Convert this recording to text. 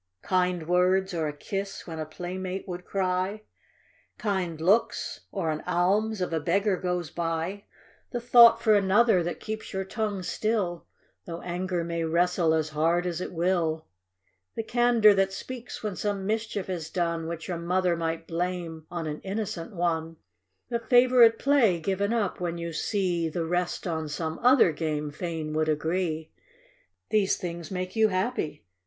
10 THE SELFISH GIRL. Kind words, or a kiss, when a playmate would cry; Kind looks, or an alms, if a beggar goes by; The thought for another that keeps your tongue still, Though anger may wrestle as hard as it will; The candor that speaks when some mischief is done, Which your mother' might blame on an innocent one ; The favorite play given up when you see The rest on some other game fain would agree ; These things make you happy!